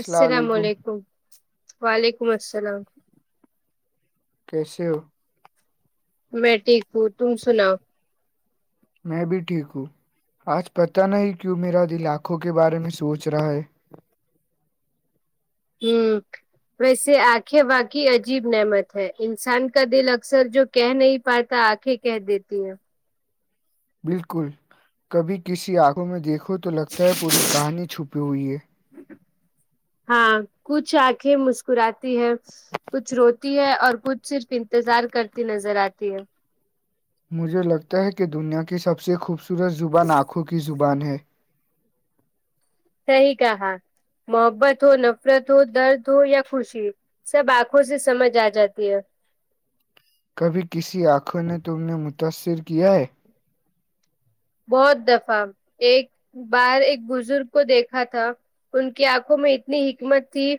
السلام علیکم وعلیکم السلام قسو [unintelligible] میں ٹھیک ہوں تم سناؤ میں بھی ٹھیک ہوں آج پتہ نہیں کیوں میرا دللاھوں کے بارے میں سوچ رہا ہے ہ ویسے آنکھیں واقی عجیب نعمت ہے انسان کا دل اکثر جو کہہ نہیں پاتا آنکھیں کہہ دیتی ہیں بالکل کبھی کسی آنکھوں میں دیکھو تو لگتا ہے پوری کہانی چھپی ہوئی ہے [inaudible] ہاں کچھ آنکھیں مسکراتی ہے کچھ روتی ہے اور کچھ صرف انتظار کرتی نظر آتی ہے مجھے لگتا ہے کہ دنیا کی سب سے خوبصورت زبان آنکھوں کی زبان ہے صحیح کہاں محبت ہو نفرت ہو درد ہو یا خوشی سب آنکھوں سے سمجھ آ جاتی ہے کبھی کسی آنکھوں نے تم نے متاثر کیا ہے بہت دفع ایک باہر ایک بزرگ کو دیکھا تھا ان کی آنکھوں میں اتنی حکمت تھی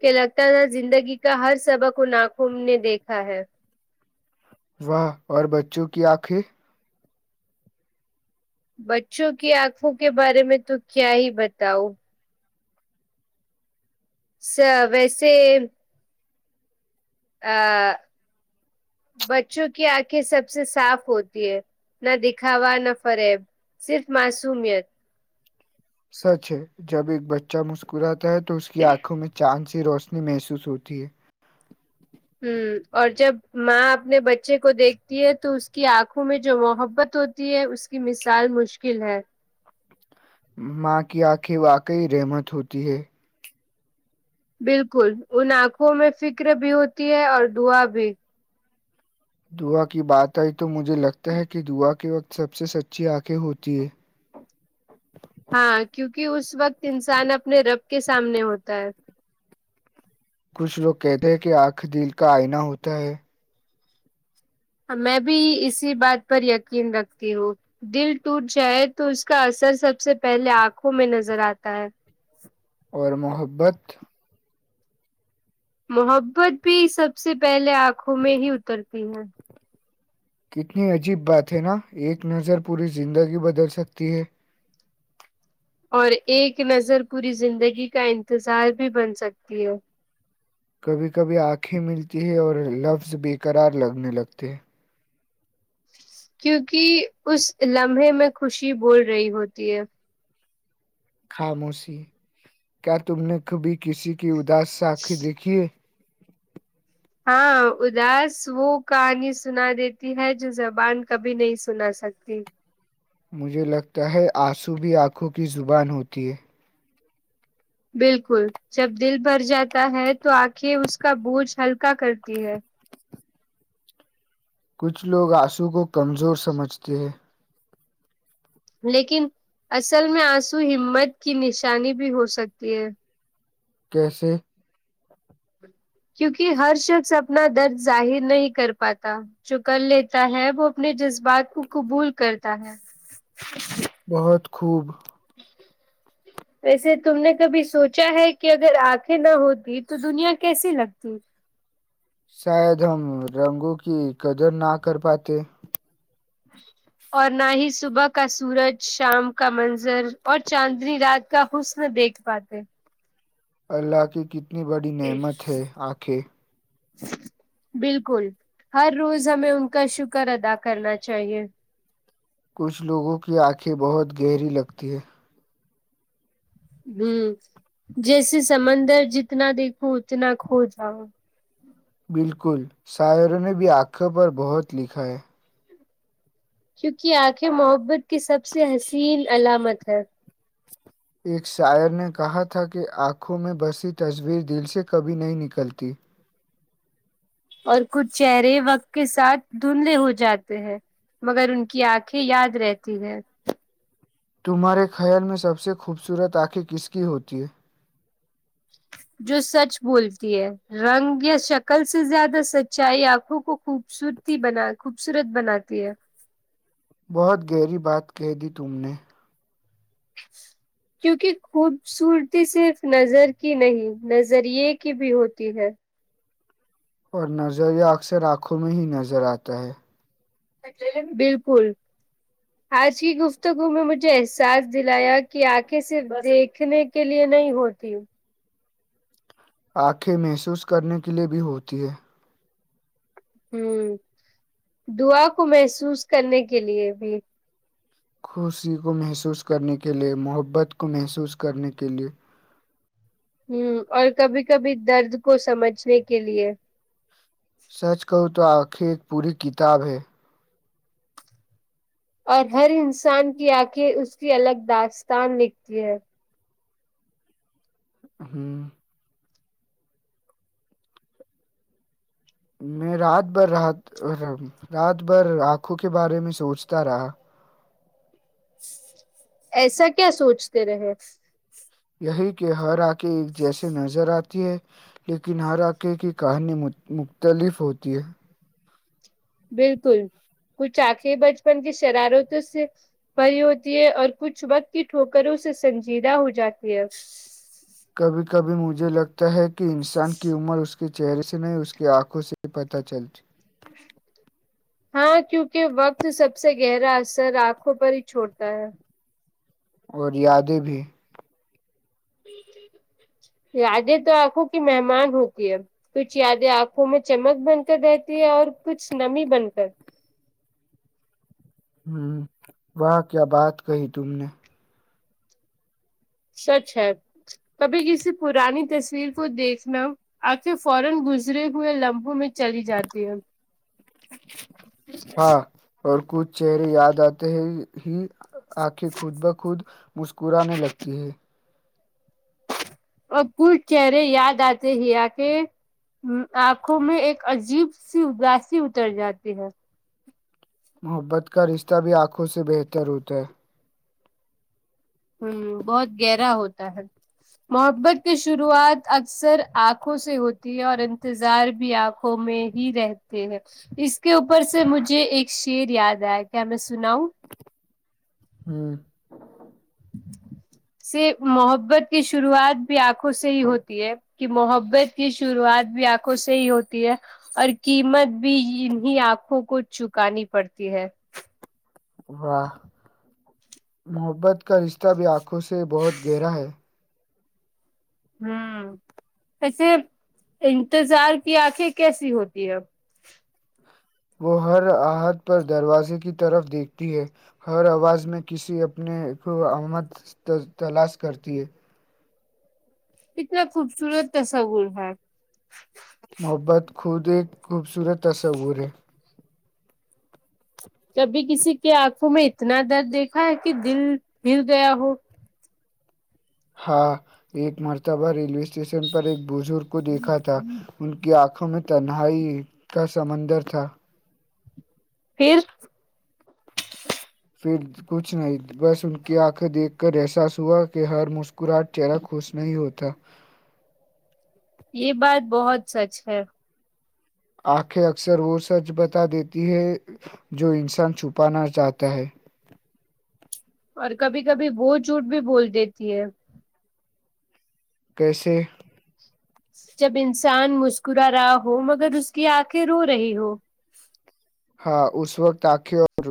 کہ لگتا تھا زندگی کا ہر سبق ان ناخوں نے دیکھا ہے واہ اور بچوں کی آنکھیں بچوں کی آنکھوں کے بارے میں تو کیا ہی بتاؤ س ویسے آ بچوں کی آنکھیں سب سے صاف ہوتی ہے نہ دکھاوا نہ فریب صرف معصومیت سچ ہے جب ایک بچہ مسکراتا ہے تو اس کی آنکھوں میں چاند سی روشنی محسوس ہوتی ہے ہ اور جب ماں اپنے بچے کو دیکھتی ہے تو اس کی آنکھوں میں جو محبت ہو ہے اس کی مثال مشکل ہے ماں کی آنکھیں واقعی رحمت ہوتی ہے بالکل ان آنکھوں میں فکر بھی ہوتی ہے اور دھوا بھی دعا کی بات آئی تو مجھے لگتا ہے کہ دعا کے وقت سب سے سچی آنکھیں ہوتی ہے ہاں کیونکہ اس وقت انسان اپنے رب کے سامنے ہوتا ہے کچھ لوگ کہتے ہیں کہ آنکھ دل کا آئنا ہوتا ہے میں بھی اسی بات پر یقین رکھتی ہوں دل ٹوٹ جائے تو اس کا اثر سب سے پہلے آنکھوں میں نظر آتا ہے اور محبت محبت بھی سب سے پہلے آنکھوں میں ہی اترتی ہے کتنی عجیب بات ہے نا ایک نظر پوری زندگی بدل سکتی ہے اور ایک نظر پوری زندگی کا انتظار بھی بن سکتی ہے کبھی کبھی آنکھیں ملتی ہے اور لفظ بےقرار لگنے لگتے ہیں کیوںکہ اس لمحے میں خوشی بول رہی ہوتی ہے خاموشی کیا تم نے کبھی کسی کی اداس س آخیں دیکھی ہے ہاں اداس وہ کہانی سنا دیتی ہے جو زبان کبھی نہیں سنا سکتی مجھے لگتا ہے آنسو بھی آنکھوں کی زبان ہوتی ہے بالکل جب دل بھر جاتا ہے تو آکھیں اس کا بوجھ ہلکا کیا کرتی ہے کچھ لوگ آنسو کو کمزور سمجھتے ہیں لیکن اصل میں آنسو ہمت کی نشانی بھی ہو سکتی ہے کیسے کیونکہ ہر شخص اپنا درد ظاہر نہیں کر پاتا جو کر لیتا ہے وہ اپنے جذبات کو قبول کرتا ہے بہت خوب ویسے تم نے کبھی سوچا ہے کہ اگر آنکھیں نہ ہوتی تو دنیا کیسی لگتی شاید ہم رنگوں کی قدر نہ کر پاتے اور نہ ہی صبح کا سورج شام کا منظر اور چاندنی رات کا حسن دیکھ پاتے اللہ کی کتنی بڑی نعمت ہے آنکھیں بالکل ہر روز ہمیں ان کا شکر ادا کرنا چاہیے کچھ لوگوں کی آنکھیں بہت گہری لگتی ہے ہوں جیسے سمندر جتنا دیکھو اتنا کھو جاؤ بالکل شاعروں نے بھی آنکھوں پر بہت لکھا ہے کیونکہ آنکھیں محبت کی سب سے حسین علامت ہے ایک شاعر نے کہا تھا کہ آنکھوں میں بسی تصویر دل سے کبھی نہیں نکلتی اور کچھ چہرے وقت کے ساتھ دھندلے ہو جاتے ہیں مگر ان کی آنکھیں یاد رہتی ہیں تمہارے خیال میں سب سے خوبصورت آنکھیں کس کی ہوتی ہے جو سچ بولتی ہے رنگ یا شکل سے زیادہ سچائی آنکھوں کو خوبصورت بنا خوبصورت بناتی ہے بہت گہری بات کہہ دی تم نے کیوںکہ خوبصورتی صرف نظر کی نہیں نظریے کی بھی ہوتی ہے اور نظریہ اکثر آنکھوں میں ہی نظر آتا ہے بالکل آج کی گفتگو میں مجھے احساس دلایا کہ آنکھے سے دیکھنے کے لیے نہیں ہوتی آنکھیں محسوس کرنے کے لیے بھی ہوتی ہے ہوں دعا کو محسوس کرنے کے لیے بھی خوشی کو محسوس کرنے کے لئے محبت کو محسوس کرنے کے لئے ہوں اور کبھی کبھی درد کو سمجھنے کے لیے سچ کہوں تو آخر ایک پوری کتاب ہے اور ہر انسان کی آنکھیں اس کی الگ داستان لکھتی ہے ہوں میں رات بھر رات رات بھر آنکھوں کے بارے میں سوچتا رہا ایسا کیا سوچتے رہے یہی کہ ہر آک ایک جیسی نظر آتی ہے لیکن ہرقے کی کہانی مختلف ہوتی ہے بالکل کچھ آخیں بچپن کی شرارتوں سے بھری ہوتی ہے اور کچھ وقت کی ٹھوکروں سے سنجیدہ ہو جاتی ہے کبھی کبھی مجھے لگتا ہے کہ انسان کی عمر اس اس کے چہرے سے نہیں اس کی آنکھوں سے ہی پتہ چلتی ہ ہاں کیونکہ وقت سب سے گہرا اثر آنکھوں پر ہی چھوڑتا ہے اور یادیں بھی یادیں تو آنکھوں کی مہمان ہوتی ہے کچھ یادیں آنکھوں میں چمک بن کر رہتی ہے اور کچھ نمی بن کر ہوں وہ کیا بات کہی تم نے سچ ہے کبھی کسی پرانی تصویر کو دیکھنا آپ سے فورن گزرے ہوئے لمحوں میں چلی جاتی ہے ہاں اور کچھ چہرے یاد آتے ہیں ہی آنکھیں خود بخود مسکرانے لگتی ہیں اببھ چہرے یاد آتے ہی آ کے آنکھوں میں ایک عجیب سی اداسی اتر جاتی ہے محبت کا رشتہ بھی آنکھوں سے بہتر ہوتا ہے ہوں بہت گہرا ہوتا ہے محبت کی شروعات اکثر آنکھوں سے ہوتی ہے اور انتظار بھی آپ میں ہی رہتے ہیں اس کے اوپر سے مجھے ایک شیر یاد آیا کیا میں سناؤوں ہاں [inaudible] سے محبت کی شروعات بھی آنکھوں سے ہی ہوتی ہے کہ محبت کی شروعات بھی آنکھوں سے ہی ہوتی ہے اور قیمت بھی انی آنکھوں کو چکانی پڑتی ہے واہ محبت کا رشتہ بھی آنکھوں سے بہت گہرا ہے ہوں ایسے انتظار کی آنکھیں کیسی ہوتی ہےب وہ ہر آحد پر دروازے کی طرف دیکھتی ہے ہر آواز میں کسی اپنے کو آمد تلاش کرتی ہے اتنا خوبصورت تسا گر ہے محبت خود ایک خوبصورت تصور ہے کبھی کسی کے آنکھوں میں اتنا درد دیکھا ہے کہ دل ہے گیا ہو ہاں ایک مرتبا ریلو اسٹیشن پر ایک بزرگ کو دیکھا تھا ان کی آنکھوں میں تنہائی کا سمندر تھا پھر پھر کچھ نہیں بس ان کی آنکھیں دیکھ کر احساس ہوا کہ ہر مسکراہٹ چہرہ خوش نہیں ہوتا یہ بات بہت سچ ہے آنکھیں اکثر وہ سچ بتا دیتی ہے جو انسان چھپانا چاہتا ہے اور کبھی کبھی بہت جھوٹ بھی بول دیتی ہے کیسے جب انسان مسکرا رہا ہو مگر اس کی آنکھیں رو رہی ہو ہاں اس وقت آنکھے اور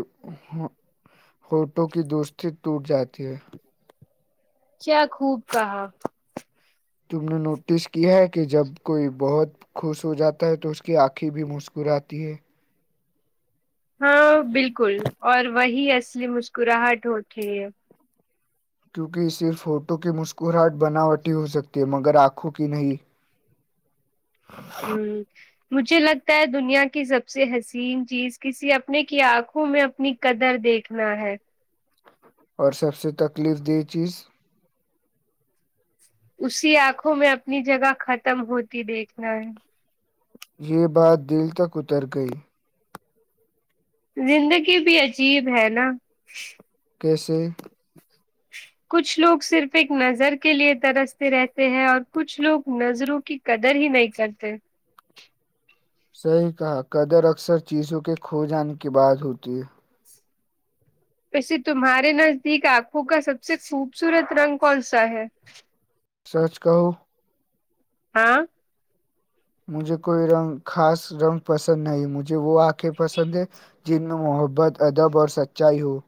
ہوٹو کی دوستی ٹوٹ جاتی ہے کیا خوب کہا تم نے نوٹس کیا ہے کہ جب کوئی بہت خوش ہو جاتا ہے تو اس کی آنکھیں بھی مسکراتتی ہے ہاں بالکل اور وہی اصلی مسکراہٹ ہوتی ہے کیونکہ صرف ہوٹو کی مسکراہٹ بناوٹی ہو سکتی ہے مگر آنکھوں کی نہیں ہمم مجھے لگتا ہے دنیا کی سب سے حسین چیز کسی اپنے کی آنکھوں میں اپنی قدر دیکھنا ہے اور سب سے تکلیف دہ چیز اسی آنکھوں میں اپنی جگہ ختم ہوتی دیکھنا ہے یہ بات دل تک اتر گئی [inaudible] زندگی بھی عجیب ہے نا کیسے کچھ لوگ صرف ایک نظر کے لیے ترستے رہتے ہیں اور کچھ لوگ نظروں کی قدر ہی نہیں کرلتے صحیح کہا قدر اکثر چیزوں کے کھو جانے کی بعد ہوتی ہے ویسے تمہارے نزدیک آنکھوں کا سب سے خوبصورت رنگ کون سا ہے سچ کہو ہاں مجھے کوئی رنگ خاص رنگ پسند نہیں مجھے وہ آنکھیں پسند ہے جن میں محبت ادب اور سچائی ہو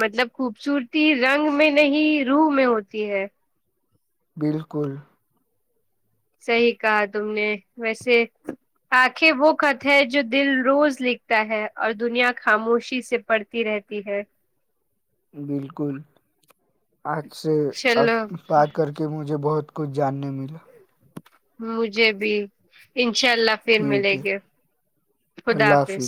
مطلب خوبصورتی رنگ میں نہیں روح میں ہوتی ہے بالکل صحیح کہا تم نے ویسے آخیں وہ خط ہے جو دل روز لکھتا ہے اور دنیا خاموشی سے پڑھ تی رہتی ہے بالکل آج سے اب چلو بات کر کے مجھے بہت کچھ جاننے ملا مجھے بھی انشاء اللہ پھر ٹھیک ملیں ہے گے خدا حافظ